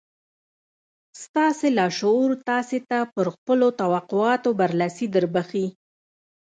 ستاسې لاشعور تاسې ته پر خپلو توقعاتو برلاسي دربښي